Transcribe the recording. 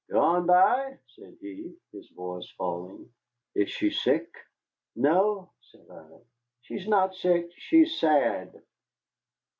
"Gone by!" said he, his voice falling, "is she sick?" "No," said I, "she's not sick, she's sad."